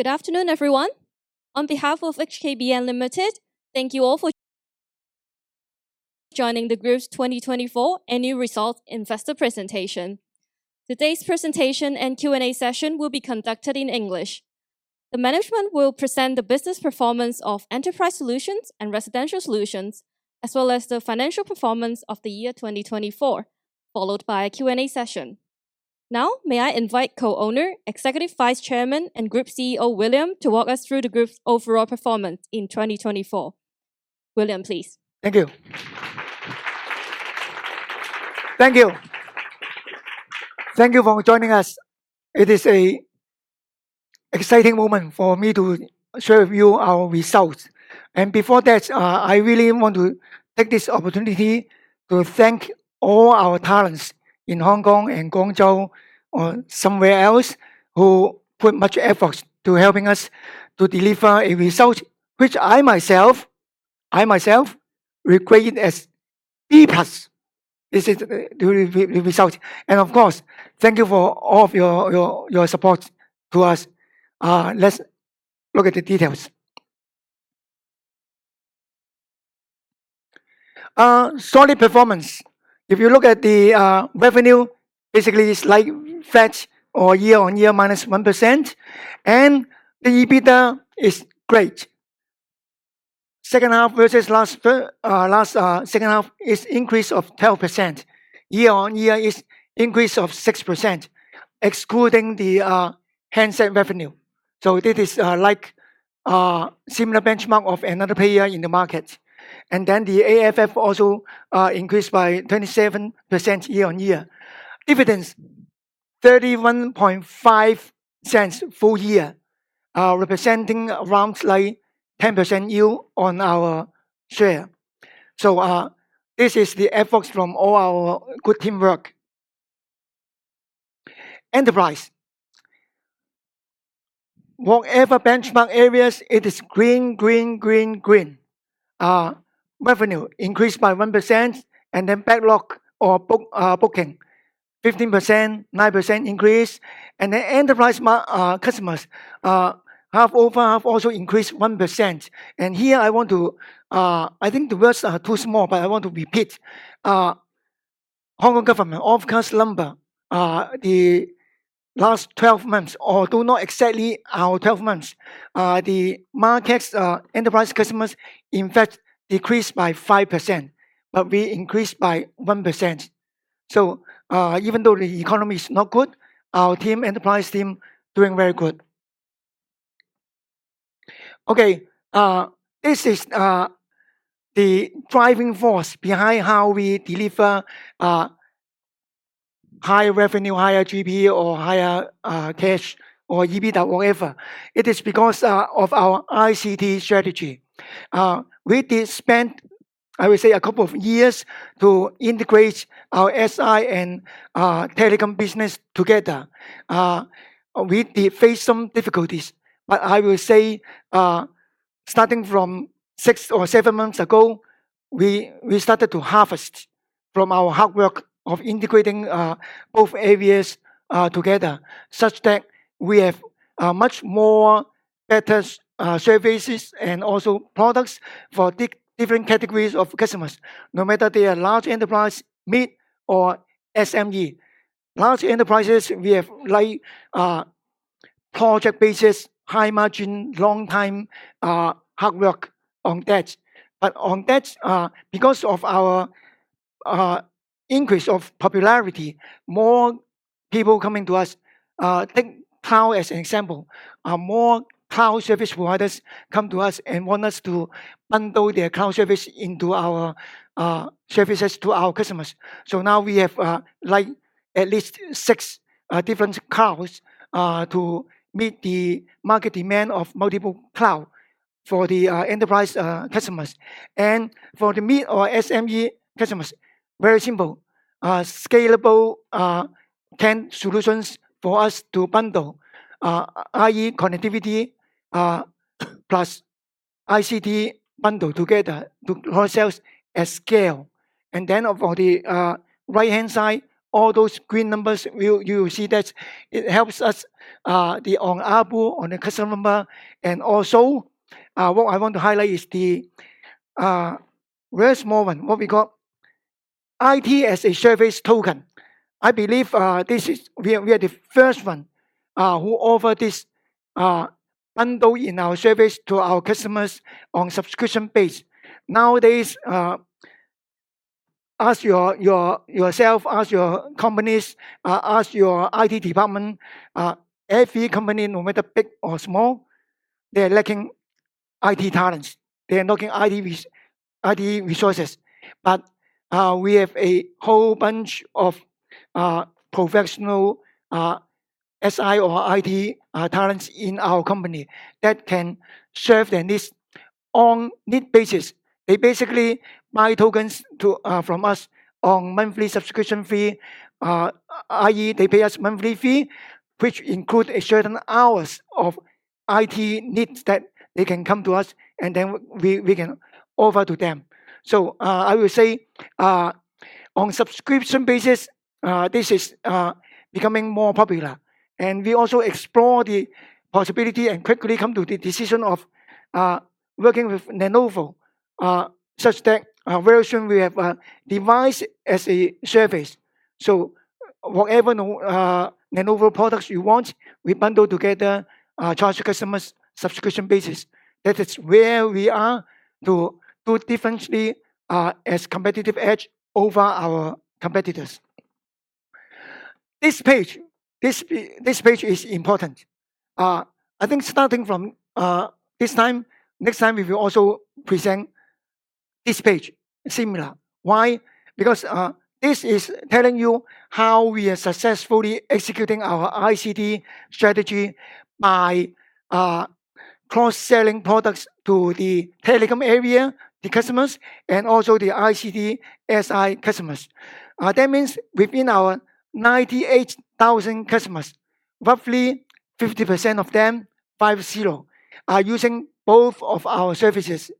Good afternoon, everyone. On behalf of HKBN Limited, thank you all for joining the Group's 2024 Annual Results Investor Presentation. Today's presentation and Q&A session will be conducted in English. The management will present the business performance of Enterprise Solutions and Residential Solutions, as well as the financial performance of the year 2024, followed by a Q&A session. Now, may I invite Co-Owner, Executive Vice Chairman, and Group CEO, William, to walk us through the Group's overall performance in 2024. William, please. Thank you. Thank you. Thank you for joining us. It is an exciting moment for me to share with you our results. Before that, I really want to take this opportunity to thank all our talents in Hong Kong and Guangzhou or somewhere else who put much effort into helping us to deliver a result which I myself regret it as deep as this is the result. Of course, thank you for all of your support to us. Let's look at the details. Solid performance. If you look at the revenue, basically it's like flat or year-on-year minus 1%, and the EBITDA is great. Second half versus last second half is an increase of 12%. Year-on-year is an increase of 6%, excluding the handset revenue. So, this is like a similar benchmark of another player in the market. Then the AFF also increased by 27% year-on-year. Dividends: 0.315 full year, representing around like 10% yield on our share. So this is the efforts from all our good teamwork. Enterprise. Whatever benchmark areas, it is green, green, green, green. Revenue increased by 1%, and then backlog or booking, 15%, 9% increase. And then enterprise customers have over half also increased 1%. And here I want to, I think the words are too small, but I want to repeat. Hong Kong government, OFCA's number, the last 12 months, or do not exactly our 12 months, the market's enterprise customers in fact decreased by 5%, but we increased by 1%. So even though the economy is not good, our team, enterprise team, doing very good. Okay, this is the driving force behind how we deliver higher revenue, higher GP, or higher cash or EBITDA, whatever. It is because of our ICT strategy. We did spend, I would say, a couple of years to integrate our SI and telecom business together. We did face some difficulties, but I will say starting from six or seven months ago, we started to harvest from our hard work of integrating both areas together such that we have much more better services and also products for different categories of customers, no matter they are large enterprise, mid, or SME. Large enterprises, we have like project basis, high margin, long-time hard work on that, but on that, because of our increase of popularity, more people coming to us, take cloud as an example, more cloud service providers come to us and want us to bundle their cloud service into our services to our customers, so now we have like at least six different clouds to meet the market demand of multiple clouds for the enterprise customers. For the mid or SME customers, very simple, scalable 10 solutions for us to bundle i.e. connectivity plus ICT bundle together to ourselves at scale. Then for the right-hand side, all those green numbers, you will see that it helps us on ABU, on the customer number. Also, what I want to highlight is the very small one, what we call IT-as-a-Service Token. I believe we are the first one who offered this bundle in our service to our customers on subscription basis. Nowadays, ask yourself, ask your companies, ask your IT department, every company, no matter big or small, they're lacking IT talents. They're lacking IT resources. But we have a whole bunch of professional SI or IT talents in our company that can serve them on need basis. They basically buy tokens from us on monthly subscription fee, i.e., they pay us monthly fee, which includes a certain hours of IT needs that they can come to us, and then we can offer to them. So, I will say on subscription basis, this is becoming more popular. And we also explore the possibility and quickly come to the decision of working with Lenovo such that very soon we have a device as a service. So whatever Lenovo products you want, we bundle together trust customers' subscription basis. That is where we are to do differently as competitive edge over our competitors. This page is important. I think starting from this time, next time we will also present this page similar. Why? Because this is telling you how we are successfully executing our ICT strategy by cross-selling products to the telecom area, the customers, and also the ICT SI customers. That means within our 98,000 customers, roughly 50% of them, five-zero, are using both of our services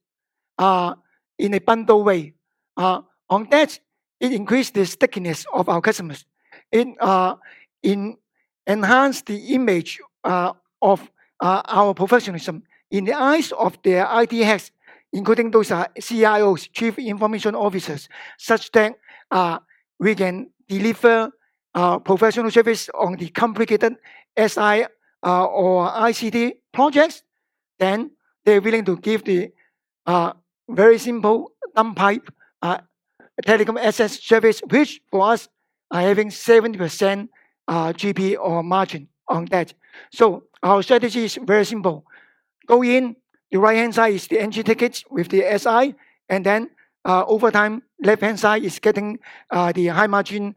in a bundled way. On that, it increased the stickiness of our customers. It enhanced the image of our professionalism in the eyes of their IT heads, including those CIOs, Chief Information Officers, such that we can deliver professional service on the complicated SI or ICT projects. Then they're willing to give the very simple dumb pipe telecom asset service, which for us are having 70% GP or margin on that. So our strategy is very simple. Go in, the right-hand side is the entry tickets with the SI, and then over time, left-hand side is getting the high margin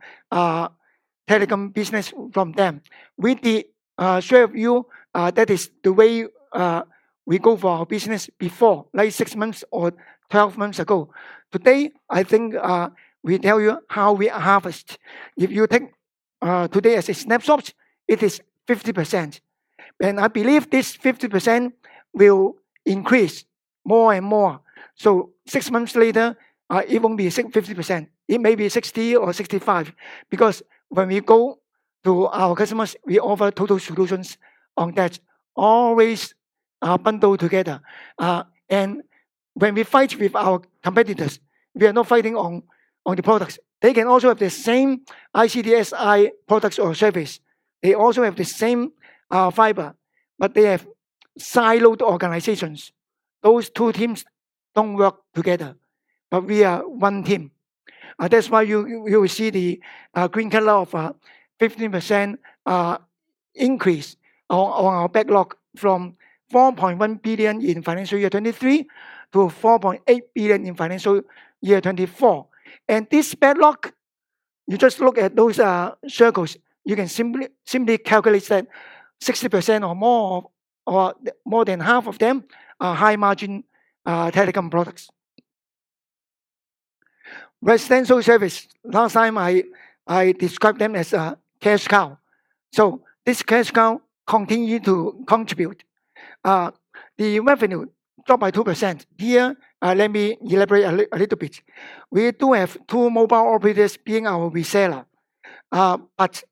telecom business from them. With the share of wallet, that is the way we go for our business before, like six months or 12 months ago. Today, I think we tell you how we harvest. If you take today as a snapshot, it is 50%. I believe this 50% will increase more and more. Six months later, it won't be 50%. It may be 60% or 65% because when we go to our customers, we offer total solutions on that, always bundled together. When we fight with our competitors, we are not fighting on the products. They can also have the same ICT SI products or service. They also have the same fiber, but they have siloed organizations. Those two teams don't work together, but we are one team. That's why you will see the green color of 15% increase on our backlog from 4.1 billion in financial year 2023 to 4.8 billion in financial year 2024. And this backlog, you just look at those circles, you can simply calculate that 60% or more than half of them are high-margin telecom products. Residential service. Last time I described them as a cash cow. So, this cash cow continues to contribute. The revenue dropped by 2%. Here, let me elaborate a little bit. We do have two mobile operators being our reseller. But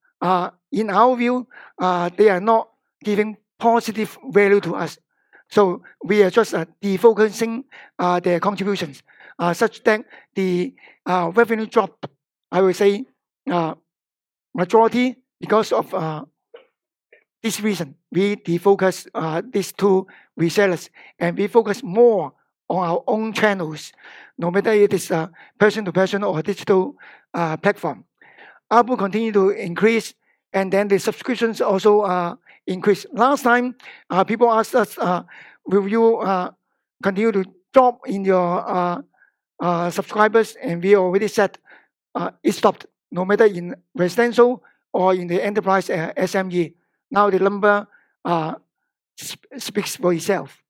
in our view, they are not giving positive value to us. So we are just defocusing their contributions such that the revenue dropped, I would say, majority because of this reason. We defocused these two resellers, and we focused more on our own channels, no matter if it is a person-to-person or a digital platform. ABU continued to increase, and then the subscriptions also increased. Last time, people asked us, "Will you continue to drop in your subscribers?" And we already said it stopped, no matter in residential or in the enterprise SME. Now the number speaks for itself.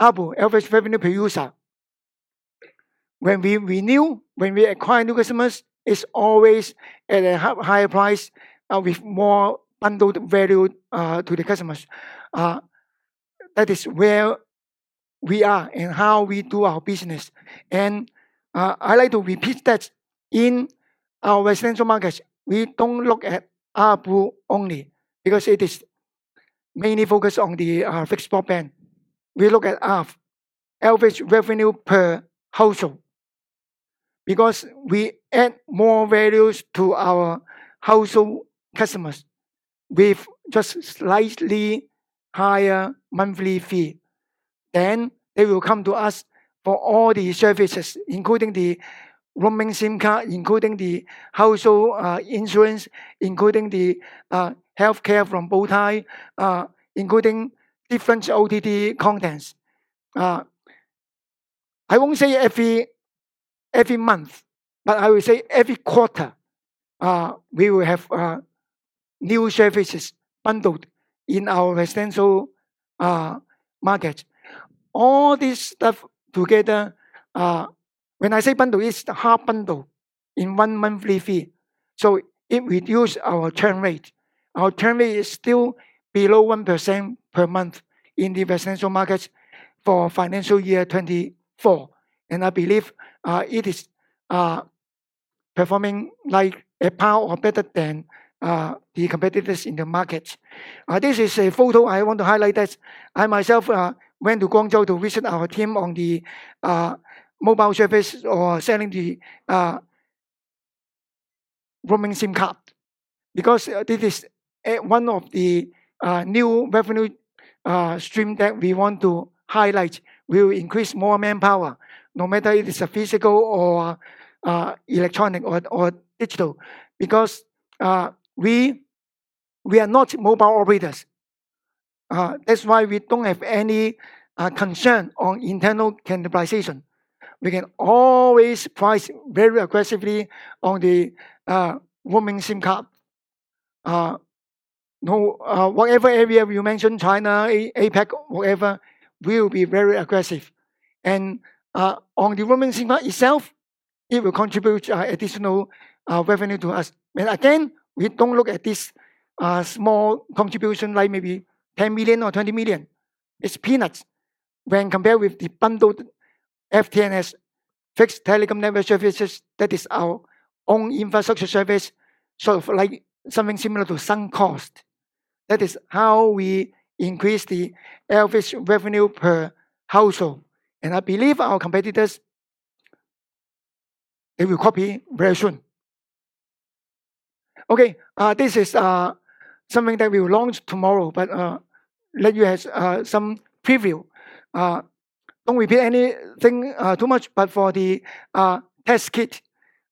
ABU, average revenue per user. When we renew, when we acquire new customers, it's always at a higher price with more bundled value to the customers. That is where we are and how we do our business. And I like to repeat that in our residential markets, we don't look at ABU only because it is mainly focused on the fixed broadband. We look at average revenue per household because we add more values to our household customers with just slightly higher monthly fee. Then they will come to us for all the services, including the roaming SIM card, including the household insurance, including the healthcare from Bowtie, including different OTT contents. I won't say every month, but I will say every quarter, we will have new services bundled in our residential market. All this stuff together, when I say bundle, it's a bundle in one monthly fee. So it reduced our churn rate. Our churn rate is still below 1% per month in the residential markets for financial year 2024, and I believe it is performing like a powerhouse or better than the competitors in the market. This is a photo I want to highlight that I myself went to Guangzhou to visit our team on the mobile service, or selling the roaming SIM card because this is one of the new revenue streams that we want to highlight. We will increase more manpower, no matter if it's physical or electronic or digital, because we are not mobile operators. That's why we don't have any concern on internal cannibalization. We can always price very aggressively on the roaming SIM card. Whatever area you mention, China, APEC, whatever, we will be very aggressive. And on the roaming SIM card itself, it will contribute additional revenue to us. And again, we don't look at this small contribution like maybe 10 million or 20 million. It's peanuts when compared with the bundled FTNS, fixed telecom network services. That is our own infrastructure service, sort of like something similar to sunk cost. That is how we increase the average revenue per household. And I believe our competitors, they will copy very soon. Okay, this is something that we will launch tomorrow, but let you have some preview. Don't repeat anything too much, but for the test kit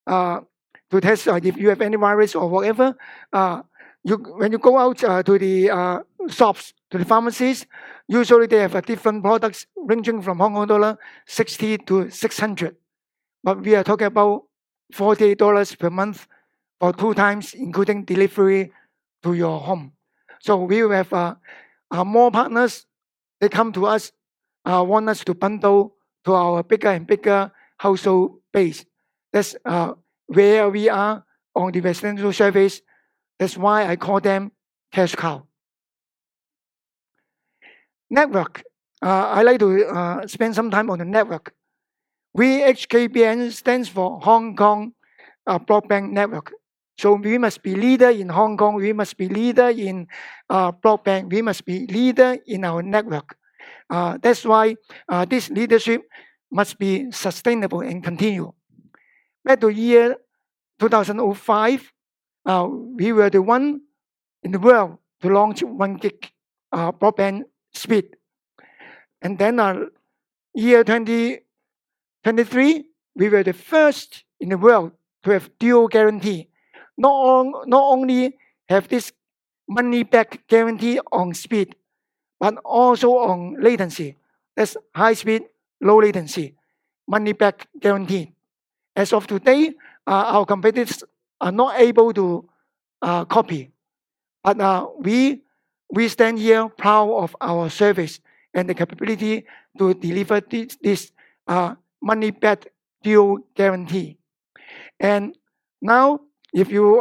to test if you have any virus or whatever, when you go out to the shops, to the pharmacies, usually they have different products ranging from 60-600 Hong Kong dollar. But we are talking about 40 dollars per month for two times, including delivery to your home. So we will have more partners. They come to us, want us to bundle to our bigger and bigger household base. That's where we are on the residential service. That's why I call them cash cow. Network. I like to spend some time on the network. We HKBN stands for Hong Kong Broadband Network. So we must be leader in Hong Kong. We must be leader in broadband. We must be leader in our network. That's why this leadership must be sustainable and continue. Back to year 2005, we were the one in the world to launch 1 GB broadband speed. Then year 2023, we were the first in the world to have Dual Guarantee. Not only have this money-back guarantee on speed, but also on latency. That's high speed, low latency, money-back guarantee. As of today, our competitors are not able to copy. But we stand here proud of our service and the capability to deliver this money-back Dual Guarantee. And now, if you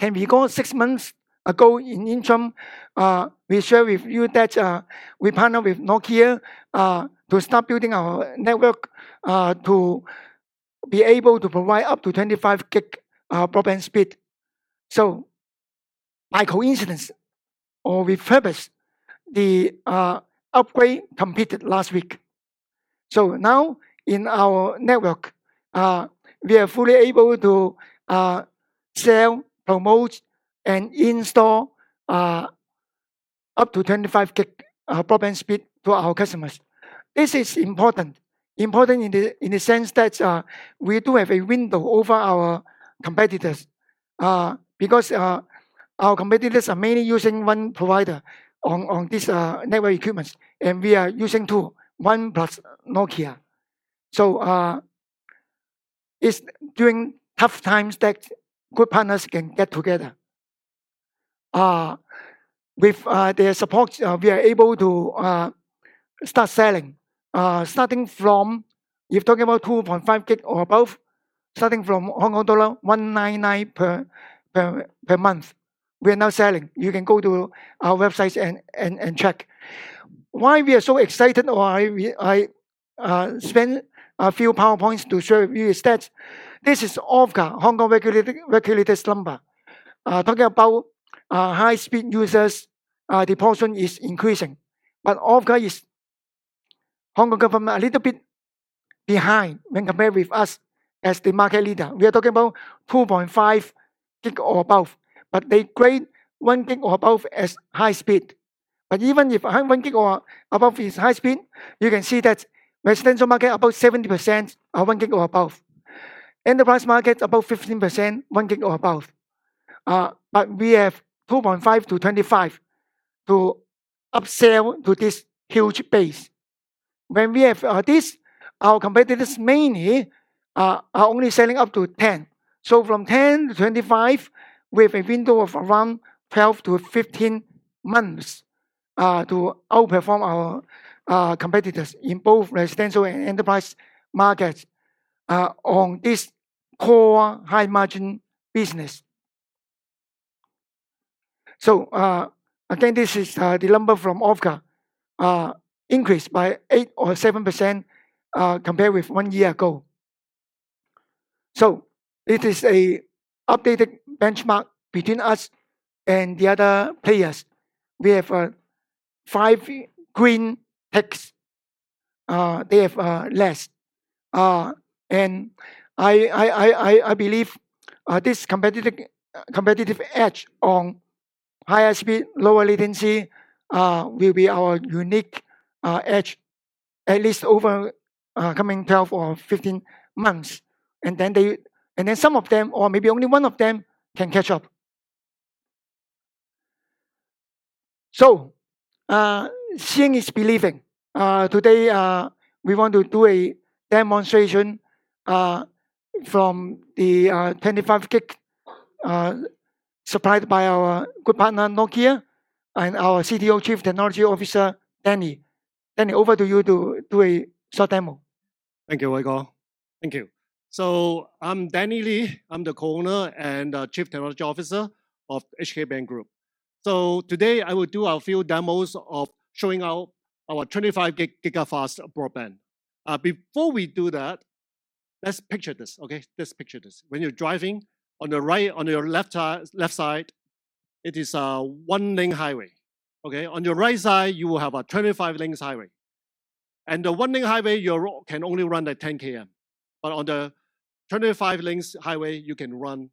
can recall six months ago in interim, we shared with you that we partnered with Nokia to start building our network to be able to provide up 25 GB broadband speed. So by coincidence or with purpose, the upgrade completed last week. So now in our network, we are fully able to sell, promote, and install up 25 GB broadband speed to our customers. This is important. Important in the sense that we do have a window over our competitors because our competitors are mainly using one provider on these network equipments, and we are using two, one plus Nokia. So it's during tough times that good partners can get together. With their support, we are able to start selling. Starting from, if you're talking about 2.5 GB or above, starting from Hong Kong dollar 199 per month. We are now selling. You can go to our websites and check. Why we are so excited or I spent a few PowerPoints to show you is that this is OFCA, Hong Kong regulator's number. Talking about high-speed users, the portion is increasing. But OFCA is Hong Kong government a little bit behind when compared with us as the market leader. We are talking about 2.5 GB or above, but they grade 1 GB or above as high speed. But even if 1 GB or above is high speed, you can see that residential market, about 70% are 1 GB or above. Enterprise market, about 15% 1 GB or above. But we have 2.5 to 25 to upsell to this huge base. When we have this, our competitors mainly are only selling up to 10. So, from 10-25, we have a window of around 12 to 15 months to outperform our competitors in both residential and enterprise markets on this core high-margin business. So again, this is the number from OFCA, increased by 8% or 7% compared with one year ago. So, it is an updated benchmark between us and the other players. We have five green techs. They have less. I believe this competitive edge on higher speed, lower latency will be our unique edge at least over coming 12 or 15 months. And then some of them, or maybe only one of them can catch up. So, seeing is believing. Today, we want to do a demonstration from 25G supplied by our good partner, Nokia, and our CTO, Chief Technology Officer, Danny. Danny, over to you to do a short demo. Thank you, Chu Kwong. Thank you. So, I'm Danny Li. I'm the Co-Owner and Chief Technology Officer of HKBN Group. So today, I will do a few demos of showing out our 25G GigaFast broadband. Before we do that, let's picture this. Okay? Let's picture this. When you're driving on the right, on your left side, it is a one-lane highway. Okay? On your right side, you will have a 25-lane highway. And the one-lane highway, your road can only run at 10 km/h. But on the 25-lane highway, you can run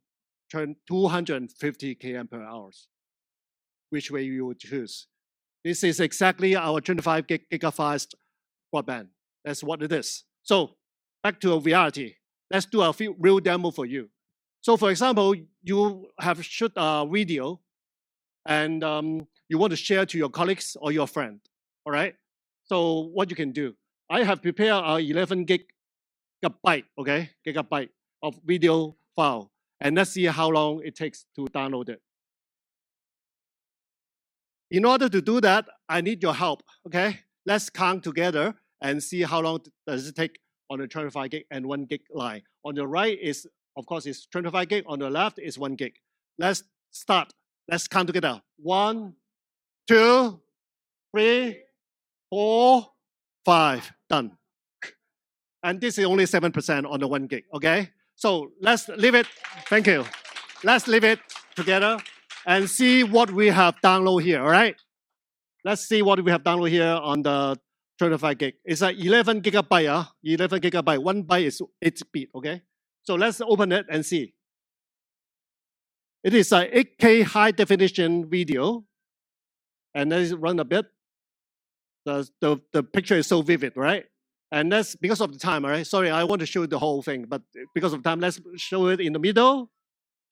250 km/h, which way you will choose. This is exactly our 25G GigaFast broadband. That's what it is. So back to reality. Let's do a real demo for you. So, for example, you have shot a video, and you want to share it to your colleagues or your friend. All right? So what you can do, I have prepared an 11 GB, okay, gigabyte of video file. And let's see how long it takes to download it. In order to do that, I need your help. Okay? Let's count together and see how long does it take on the 25 GB and 1 GB line. On your right is, of course, it's 25 GB. On the left is 1 GB. Let's start. Let's count together. One, two, three, four, five. Done. And this is only 7% on the 1 GB. Okay? So, let's leave it. Thank you. Let's leave it together and see what we have downloaded here. All right? Let's see what we have downloaded here on the 25 GB. It's an 11 GB, yeah? 11 GB. One byte is 8 bits. Okay? So let's open it and see. It is an 8K high-definition video. And let's run a bit. The picture is so vivid, right? And that's because of the time, all right? Sorry, I want to show you the whole thing. But because of the time, let's show it in the middle,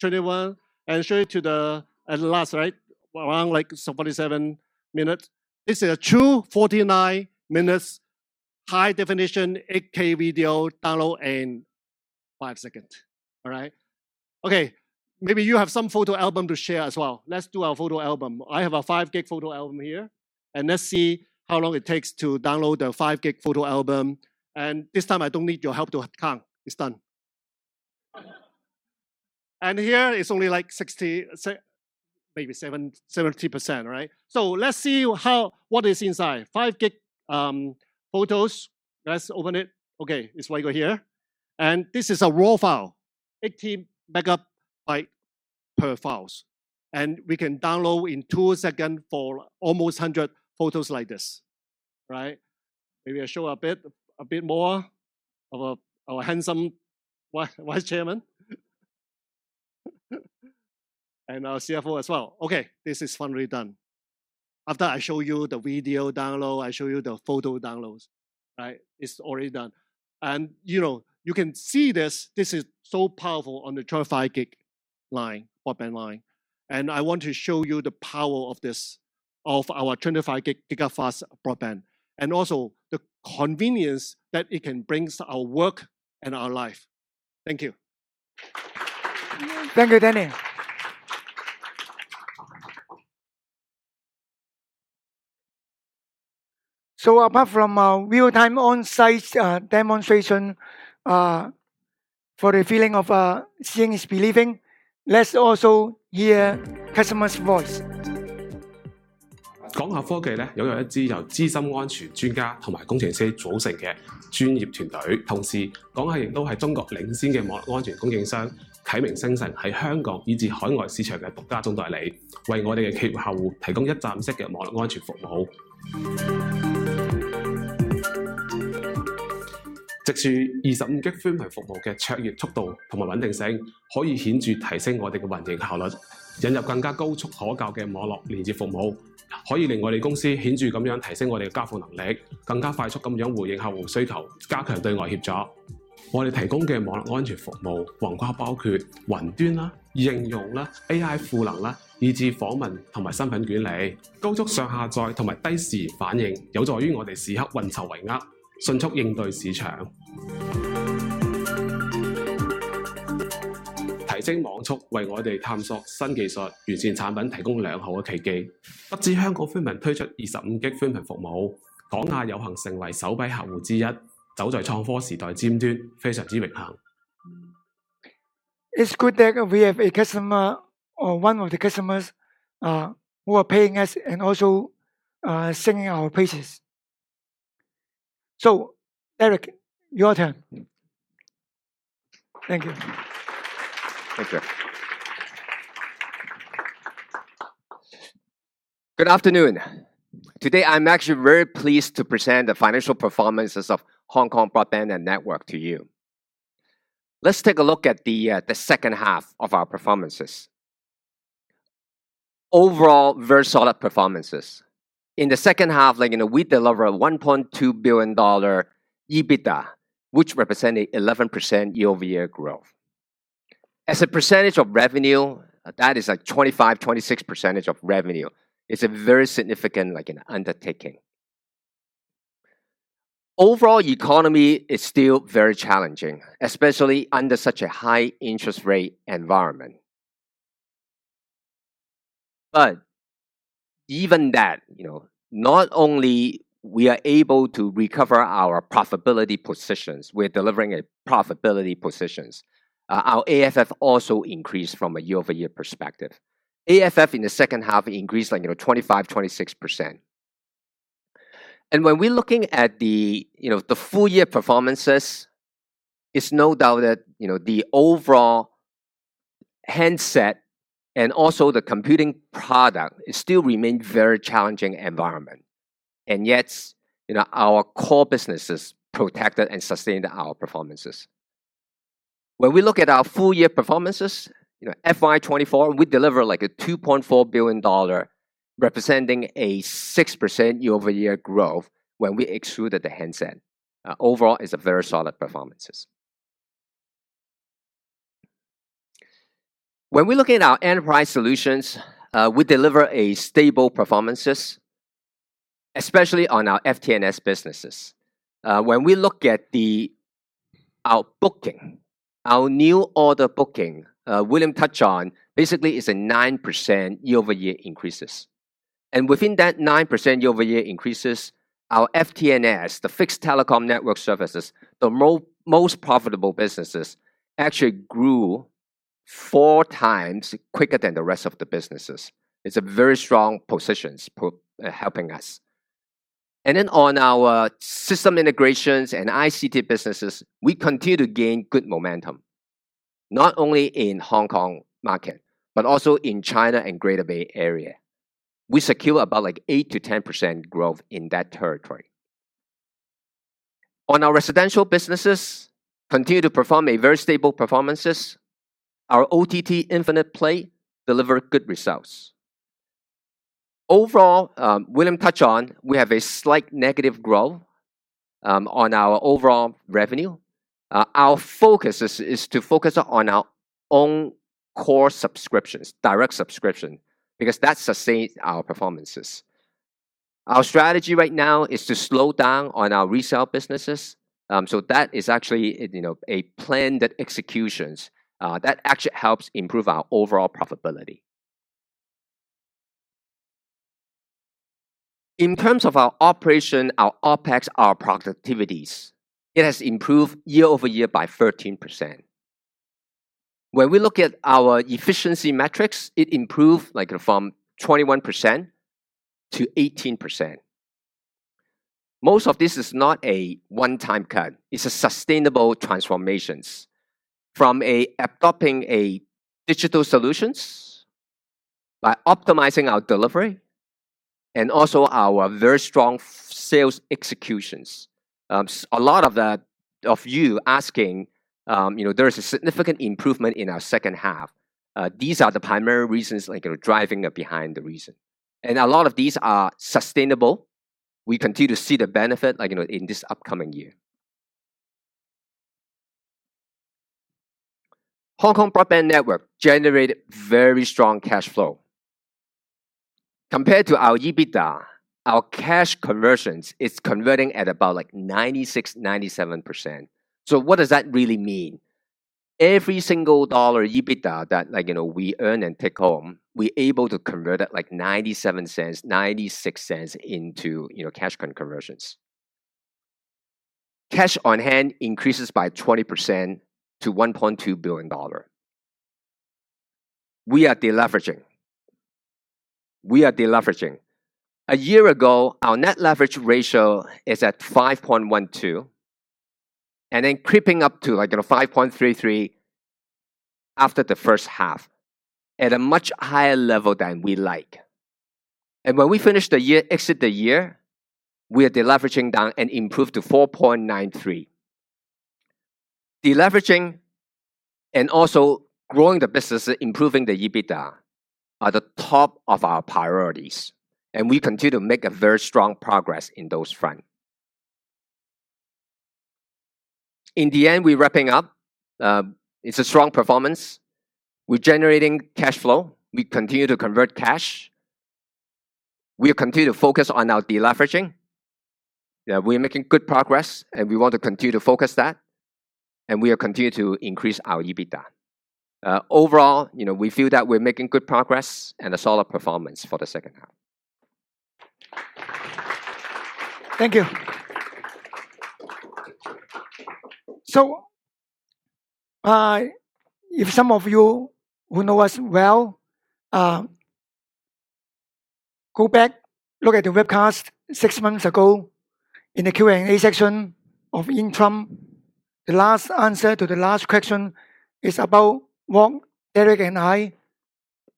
21, and show it to the last, right? Around like 47 minutes. This is a 2:49 minutes high-definition 8K video download in five seconds. All right? Okay. Maybe you have some photo album to share as well. Let's do our photo album. I have a 5 GB photo album here. And let's see how long it takes to download the 5 GB photo album. And this time, I don't need your help to count. It's done. And here, it's only like 60%, maybe 70%, all right? So let's see what is inside. 5 GB photos. Let's open it. Okay. It's right here. And this is a raw file, 80 MB per files. And we can download in 2 seconds for almost 100 photos like this. All right? Maybe I'll show a bit more of our handsome vice chairman and our CFO as well. Okay. This is finally done. After I show you the video download, I show you the photo downloads, right? It's already done. And you can see this. This is so powerful on the 25 GB line, broadband line. I want to show you the power of this, of our 25G GigaFast broadband, and also the convenience that it can bring to our work and our life. Thank you. Thank you, Danny. Apart from real-time on-site demonstration for the feeling of seeing is believing, let's also hear customers' voice. It's good that we have a customer or one of the customers who are paying us and also sending our praises. So, Derek, your turn. Thank you. Thank you. Good afternoon. Today, I'm actually very pleased to present the financial performances of Hong Kong Broadband Network to you. Let's take a look at the second half of our performances. Overall, very solid performances. In the second half, we delivered 1.2 billion dollar EBITDA, which represented 11% year-over-year growth. As a percentage of revenue, that is like 25%, 26% of revenue. It's a very significant undertaking. Overall, the economy is still very challenging, especially under such a high interest rate environment. But even that, not only are we able to recover our profitability positions, we're delivering profitability positions. Our AFF also increased from a year-over-year perspective. AFF in the second half increased like 25%, 26%. And when we're looking at the full-year performances, it's no doubt that the overall handset and also the computing product still remain very challenging environments. And yet, our core businesses protected and sustained our performances. When we look at our full-year performances, FY24, we delivered like a 2.4 billion dollar, representing a 6% year-over-year growth when we excluded the handset. Overall, it's a very solid performance. When we're looking at our enterprise solutions, we deliver stable performances, especially on our FTNS businesses. When we look at our booking, our new order booking, William touched on, basically is a 9% year-over-year increase. Within that 9% year-over-year increase, our FTNS, the Fixed Telecommunications Network Services, the most profitable businesses, actually grew four times quicker than the rest of the businesses. It's a very strong position helping us. Then on our system integrations and ICT businesses, we continue to gain good momentum, not only in the Hong Kong market, but also in China and the Greater Bay Area. We secured about like 8%-10% growth in that territory. On our residential businesses, we continue to perform very stable performances. Our OTT Infinite-play delivers good results. Overall, William touched on, we have a slight negative growth on our overall revenue. Our focus is to focus on our own core subscriptions, direct subscriptions, because that sustains our performances. Our strategy right now is to slow down on our resale businesses, so that is actually a planned execution that actually helps improve our overall profitability. In terms of our operation, our OpEx, our productivities, it has improved year-over-year by 13%. When we look at our efficiency metrics, it improved from 21% to 18%. Most of this is not a one-time cut. It's sustainable transformations from adopting digital solutions by optimizing our delivery and also our very strong sales executions. A lot of you are asking, there is a significant improvement in our second half. These are the primary reasons driving behind the reason, and a lot of these are sustainable. We continue to see the benefit in this upcoming year. Hong Kong Broadband Network generated very strong cash flow. Compared to our EBITDA, our cash conversions are converting at about like 96%, 97%, so what does that really mean? Every single dollar EBITDA that we earn and take home, we're able to convert at like 0.97, 0.96 into cash conversions. Cash on hand increases by 20% to 1.2 billion dollar. We are deleveraging. We are deleveraging. A year ago, our net leverage ratio is at 5.12, and then creeping up to 5.33 after the first half at a much higher level than we like. And when we finish the year, exit the year, we are deleveraging down and improved to 4.93. Deleveraging and also growing the business, improving the EBITDA are the top of our priorities. And we continue to make very strong progress in those fronts. In the end, we're wrapping up. It's a strong performance. We're generating cash flow. We continue to convert cash. We continue to focus on our deleveraging. We're making good progress, and we want to continue to focus on that. And we are continuing to increase our EBITDA. Overall, we feel that we're making good progress and a solid performance for the second half. Thank you. So if some of you who know us well, go back, look at the webcast six months ago in the Q&A section of the interim. The last answer to the last question is about what Derek and I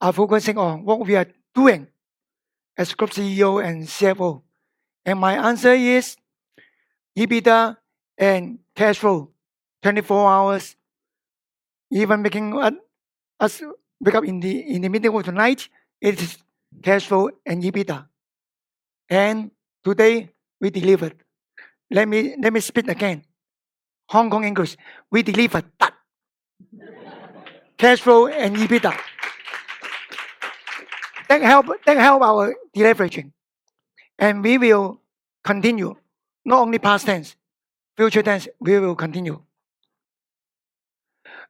are focusing on, what we are doing as Group CEO and CFO. And my answer is EBITDA and cash flow. 24 hours, even making us wake up in the middle of the night, it is cash flow and EBITDA. And today, we delivered. Let me speak again. Hong Kong English, we delivered. Cash flow and EBITDA. That helped our deleveraging. And we will continue, not only past tense, future tense, we will continue.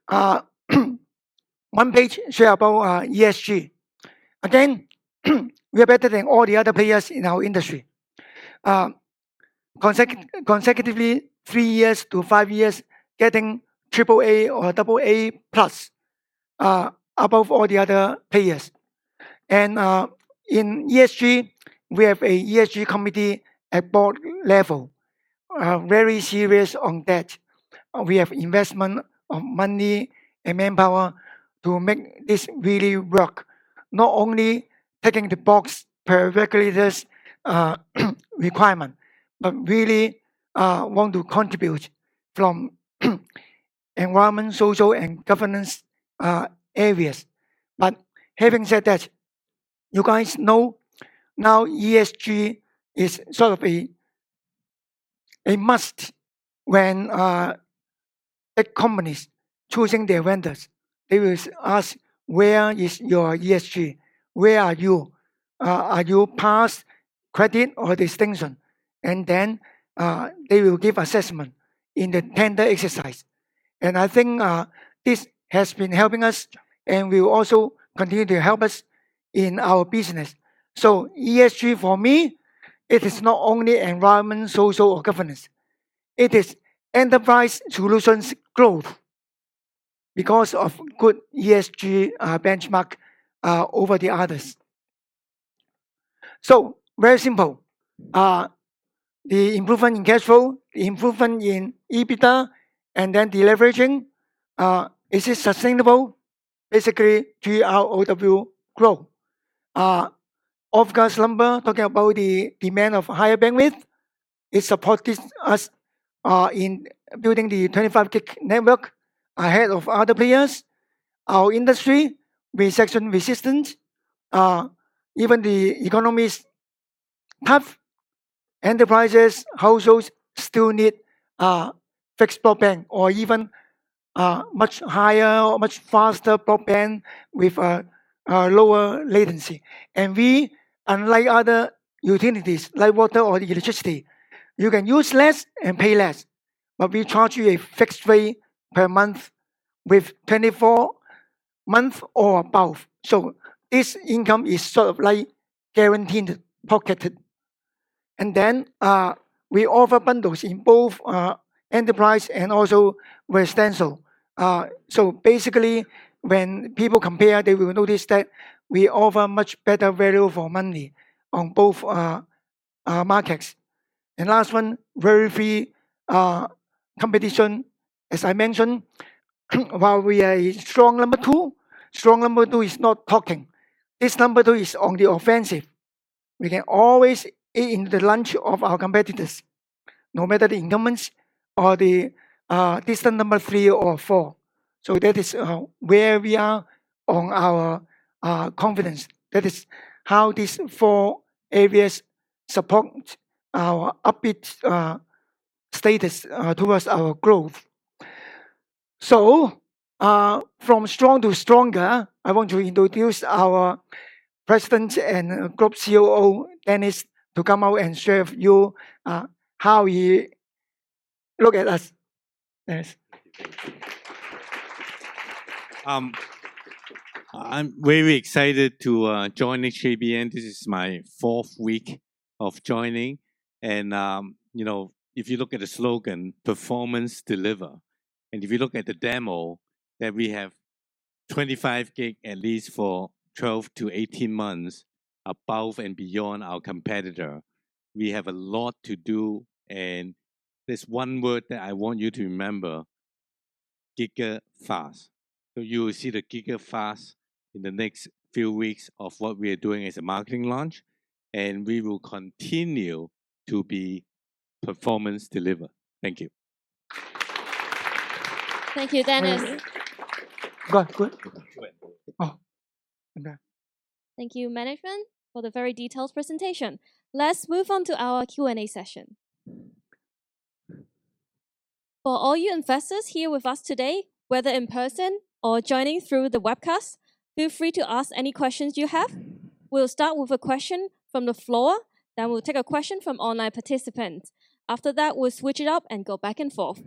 One page shared about ESG. Again, we are better than all the other players in our industry. Consecutively, three years to five years, getting AAA or AA plus above all the other players. And in ESG, we have an ESG committee at board level, very serious on that. We have investment of money and manpower to make this really work. Not only taking the box per regulator's requirement, but really want to contribute from environment, social, and governance areas. But having said that, you guys know now ESG is sort of a must when tech companies choosing their vendors. They will ask, "Where is your ESG? Where are you? Are you past credit or distinction?" And then they will give assessment in the tender exercise. And I think this has been helping us, and will also continue to help us in our business. So ESG for me, it is not only environment, social, or governance. It is enterprise solutions growth because of good ESG benchmark over the others, so very simple. The improvement in cash flow, the improvement in EBITDA, and then deleveraging, is it sustainable? Basically, our revenue growth. OFCA's number talking about the demand for higher bandwidth. It supports us in building the 25G network ahead of other players. Our industry, we recession resistance. Even the economy's tough, enterprises, households still need fixed broadband or even much higher, much faster broadband with lower latency. And we, unlike other utilities like water or electricity, you can use less and pay less, but we charge you a fixed rate per month with 24 months or above. So this income is sort of like guaranteed pocket, and then we offer bundles in both enterprise and also residential, so basically, when people compare, they will notice that we offer much better value for money on both markets. And last one, very free competition. As I mentioned, while we are a strong number two, strong number two is not talking. This number two is on the offensive. We can always eat into the lunch of our competitors, no matter the incumbents or the distant number three or four. So that is where we are on our confidence. That is how these four areas support our upbeat status towards our growth. So from strong to stronger, I want to introduce our President and Group COO, Denis, to come out and share with you how he looks at us. Denis. I'm very excited to join HKBN. This is my fourth week of joining. If you look at the slogan, "Performance Deliver," and if you look at the demo that we have 25G at least for 12 to 18 months above and beyond our competitor, we have a lot to do. There's one word that I want you to remember: GigaFast. You will see the GigaFast in the next few weeks of what we are doing as a marketing launch. We will continue to be performance delivered. Thank you. Thank you, Denis. Thank you, management, for the very detailed presentation. Let's move on to our Q&A session. For all you investors here with us today, whether in person or joining through the webcast, feel free to ask any questions you have. We'll start with a question from the floor. We'll take a question from online participants. After that, we'll switch it up and go back and forth.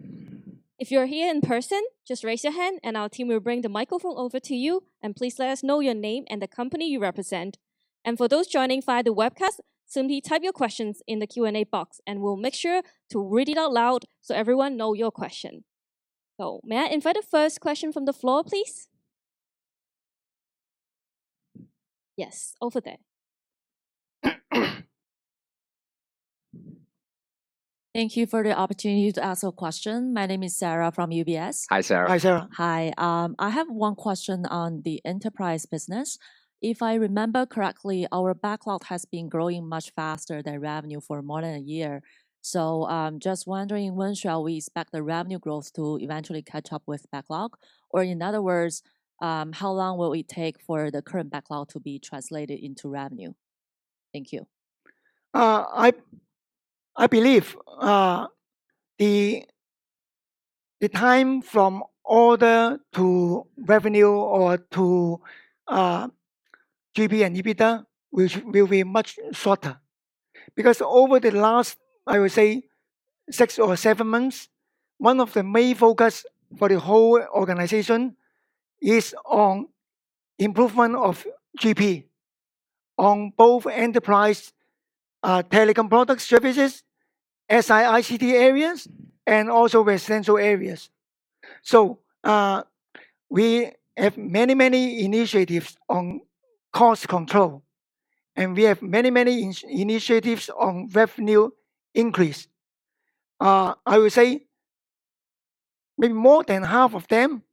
If you're here in person, just raise your hand, and our team will bring the microphone over to you. And please let us know your name and the company you represent. And for those joining via the webcast, simply type your questions in the Q&A box, and we'll make sure to read it out loud so everyone knows your question. So may I invite the first question from the floor, please? Yes, over there. Thank you for the opportunity to ask a question. My name is Sara from UBS. Hi, Sara. Hi, Sara. Hi. I have one question on the enterprise business. If I remember correctly, our backlog has been growing much faster than revenue for more than a year. So I'm just wondering, when shall we expect the revenue growth to eventually catch up with backlog? Or in other words, how long will it take for the current backlog to be translated into revenue? Thank you. I believe the time from order to revenue or to GP and EBITDA will be much shorter. Because over the last, I would say, six or seven months, one of the main focuses for the whole organization is on improvement of GP on both enterprise telecom products, services, SI ICT areas, and also residential areas. So we have many, many initiatives on cost control, and we have many, many initiatives on revenue increase. I would say maybe more than half of them,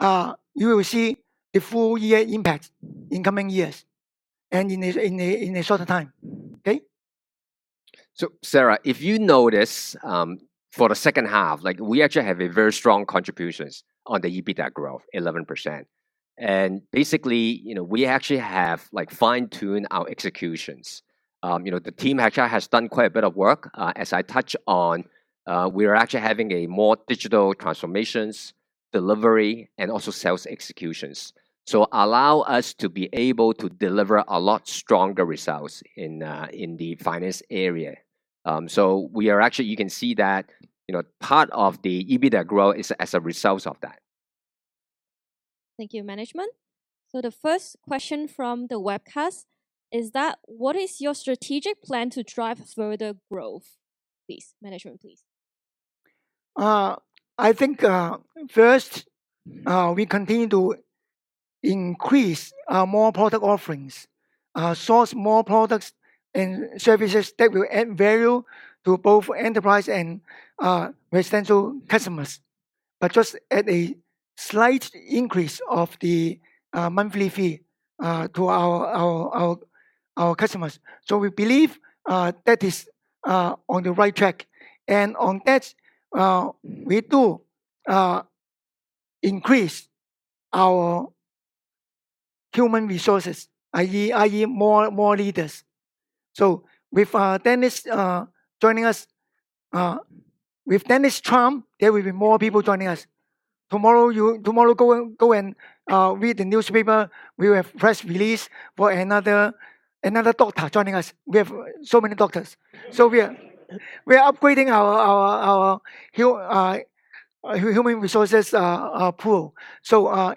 you will see the full year impact in coming years and in a shorter time. Okay? So Sara, if you notice for the second half, we actually have very strong contributions on the EBITDA growth, 11%. And basically, we actually have fine-tuned our executions. The team actually has done quite a bit of work. As I touched on, we are actually having more digital transformations, delivery, and also sales executions. So allow us to be able to deliver a lot stronger results in the finance area. So we are actually, you can see that part of the EBITDA growth is as a result of that. Thank you, management. So the first question from the webcast is that, "What is your strategic plan to drive further growth?" Management, please. I think first, we continue to increase our more product offerings, source more products and services that will add value to both enterprise and residential customers, but just add a slight increase of the monthly fee to our customers. So we believe that is on the right track. And on that, we do increase our human resources, i.e., more leaders. With Denis joining us—with Denis, there will be more people joining us. Tomorrow, go and read the newspaper. We will have a press release for another doctor joining us. We have so many doctors. We are upgrading our human resources pool.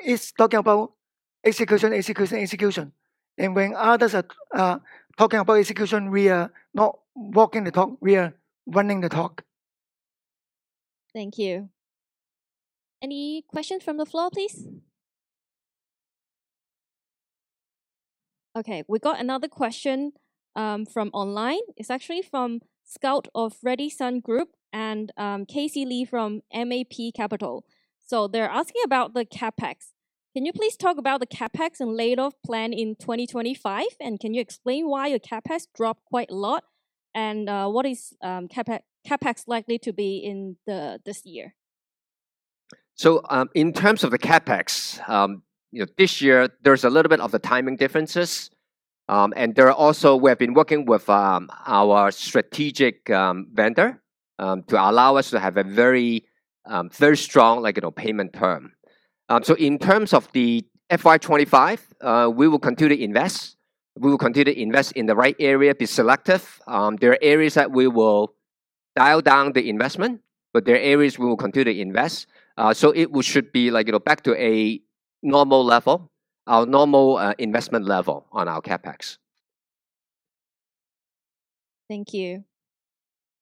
It's talking about execution, execution, execution. When others are talking about execution, we are not walking the talk. We are running the talk. Thank you. Any questions from the floor, please? Okay, we got another question from online. It's actually from Scott of Redsun Group and Casey Lee from MAP Capital. They're asking about the CapEx. Can you please talk about the CapEx and layout plan in 2025? Can you explain why your CapEx dropped quite a lot? What is CapEx likely to be in this year? So in terms of the CapEx, this year, there's a little bit of the timing differences. And there are also, we have been working with our strategic vendor to allow us to have a very strong payment term. So in terms of the FY25, we will continue to invest. We will continue to invest in the right area, be selective. There are areas that we will dial down the investment, but there are areas we will continue to invest. So it should be back to a normal level, our normal investment level on our CapEx. Thank you.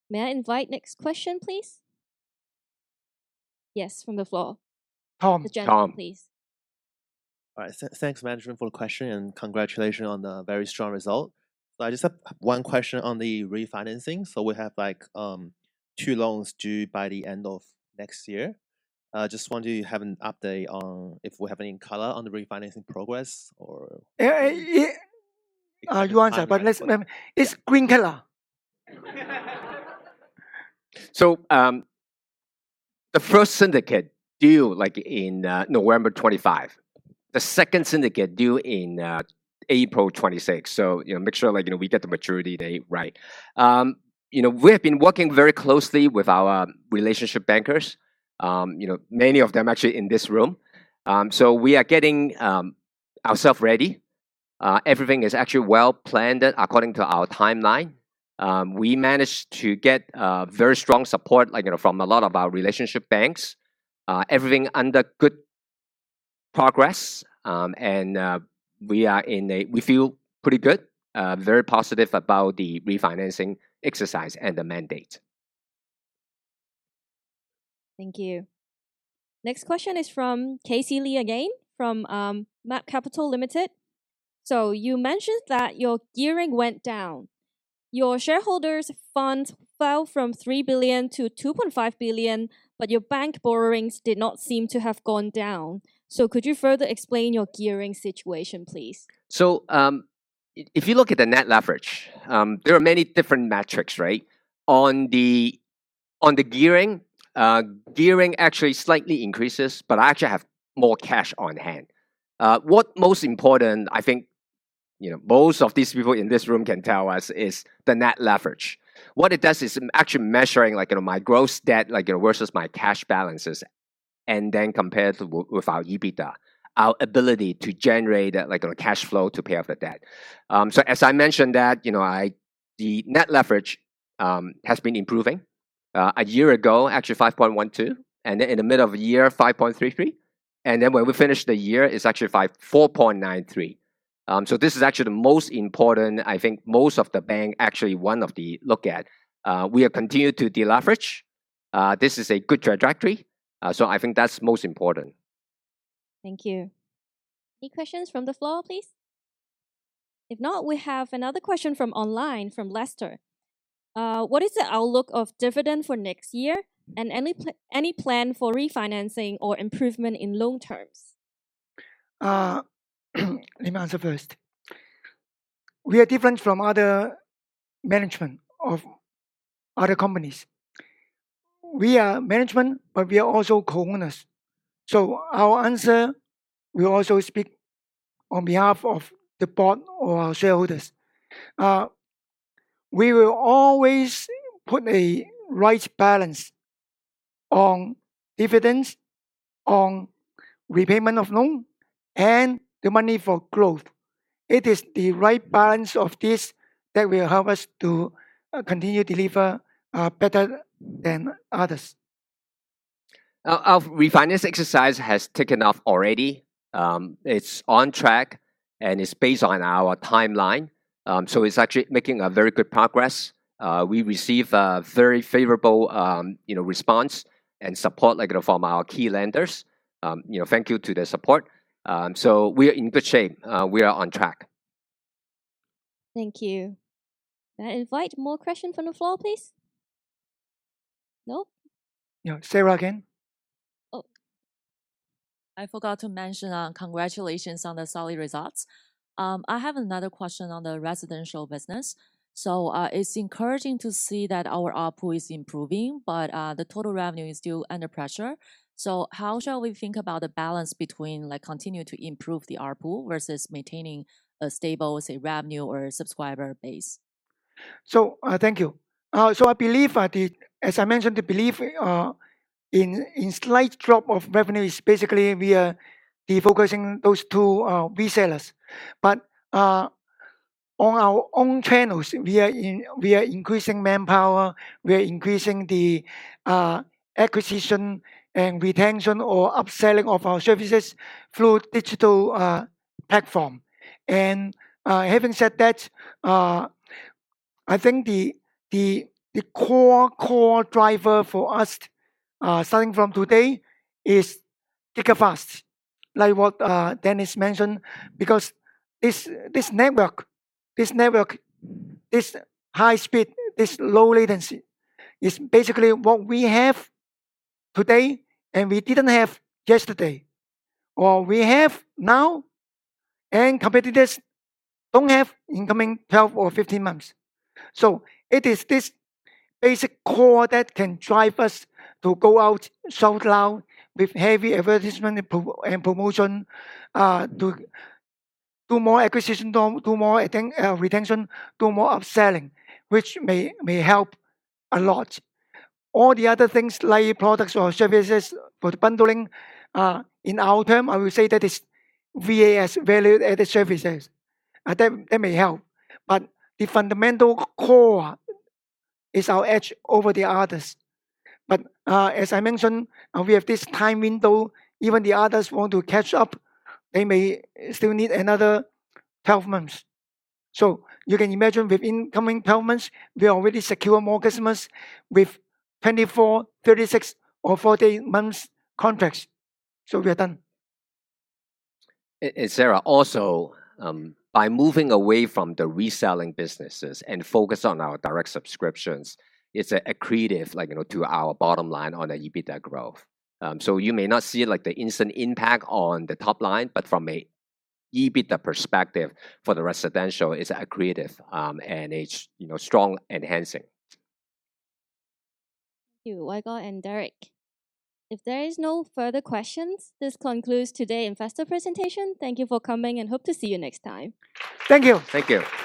May I invite next question, please? Yes, from the floor. Tam, please. Thanks, management for the question. And congratulations on the very strong result. I just have one question on the refinancing. So we have two loans due by the end of next year. I just want to have an update on if we have any color on the refinancing progress or— You answered, but let's remember it's green color. So the first syndicate due in November 2025. The second syndicate due in April 2026. So make sure we get the maturity date right. We have been working very closely with our relationship bankers. Many of them actually in this room. So we are getting ourselves ready. Everything is actually well planned according to our timeline. We managed to get very strong support from a lot of our relationship banks. Everything under good progress. And we feel pretty good, very positive about the refinancing exercise and the mandate. Thank you. Next question is from Casey Lee again from MAP Capital Limited. So you mentioned that your gearing went down. Your shareholders' funds fell from 3 billion to 2.5 billion, but your bank borrowings did not seem to have gone down. So could you further explain your gearing situation, please? So if you look at the net leverage, there are many different metrics, right? On the gearing, gearing actually slightly increases, but I actually have more cash on hand. What's most important, I think most of these people in this room can tell us is the net leverage. What it does is actually measuring my gross debt versus my cash balances and then compare it with our EBITDA, our ability to generate cash flow to pay off the debt. So as I mentioned that, the net leverage has been improving. A year ago, actually 5.12, and then in the middle of the year, 5.33. And then when we finished the year, it's actually 4.93. So this is actually the most important, I think most of the bank actually wanted to look at. We have continued to deleverage. This is a good trajectory. So I think that's most important. Thank you. Any questions from the floor, please? If not, we have another question from online from Lester. What is the outlook of dividend for next year and any plan for refinancing or improvement in long terms? Let me answer first. We are different from other management of other companies. We are management, but we are also co-owners. So our answer, we also speak on behalf of the board or our shareholders. We will always put a right balance on dividends, on repayment of loan, and the money for growth. It is the right balance of this that will help us to continue to deliver better than others. Our refinance exercise has taken off already. It's on track, and it's based on our timeline. So it's actually making very good progress. We receive very favorable response and support from our key lenders. Thank you to their support. So we are in good shape. We are on track. Thank you. May I invite more questions from the floor, please? No? Sara again. I forgot to mention congratulations on the solid results. I have another question on the residential business. So, it's encouraging to see that our ARPU is improving, but the total revenue is still under pressure. So how shall we think about the balance between continuing to improve the ARPU versus maintaining a stable, say, revenue or subscriber base? So thank you. So I believe, as I mentioned, the belief in a slight drop of revenue is basically we are defocusing those two resellers. But on our own channels, we are increasing manpower. We are increasing the acquisition and retention or upselling of our services through digital platform. And having said that, I think the core driver for us starting from today is GigaFast, like what Denis mentioned, because this network, this high speed, this low latency is basically what we have today and we didn't have yesterday, or we have now, and competitors don't have in coming 12 or 15 months. So it is this basic core that can drive us to go out, shout loud with heavy advertisement and promotion to do more acquisition, do more retention, do more upselling, which may help a lot. All the other things like products or services for the bundling, in our term, I will say that it's VAS, value-added services. That may help. But the fundamental core is our edge over the others. But as I mentioned, we have this time window. Even the others want to catch up. They may still need another 12 months. So, you can imagine within coming 12 months, we already secure more customers with 24, 36, or 48 months contracts. So, we are done. Sara, also, by moving away from the reselling businesses and focusing on our direct subscriptions, it's accretive to our bottom line on the EBITDA growth. So you may not see the instant impact on the top line, but from an EBITDA perspective for the residential, it's accretive and it's strong enhancing. Thank you, William and Derek. If there are no further questions, this concludes today's investor presentation. Thank you for coming and hope to see you next time. Thank you. Thank you.